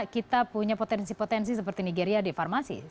kita punya potensi potensi seperti nigeria di farmasi